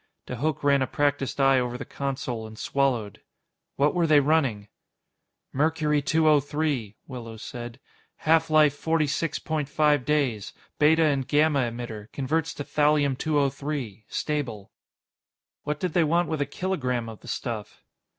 De Hooch ran a practiced eye over the console and swallowed. "What were they running?" "Mercury 203," Willows said. "Half life forty six point five days. Beta and gamma emitter. Converts to Thallium 203, stable." "What did they want with a kilogram of the stuff?"